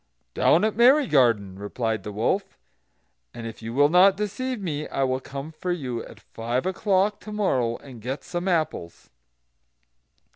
"Down at Merry garden," replied the wolf, "and if you will not deceive me I will come for you, at five o'clock to morrow, and get some apples."